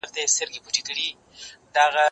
زه کولای سم مينه وښيم!.